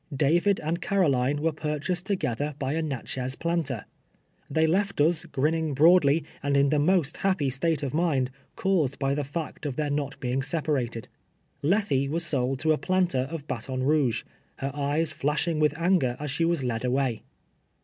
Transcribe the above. David and Car oline were purchased together by a Xatchez planter. Tliey left us, grinning broadly, and in the most happy state of mind, caused by the fact of their not being sep arated. Lethe was sv:)ld to a planter of Baton R(^uge, her eyes flashing with anger as she was led away.